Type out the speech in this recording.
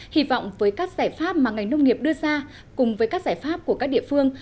hy vọng với các giải pháp mà ngành nông nghiệp đưa ra cùng với các giải pháp của các địa phương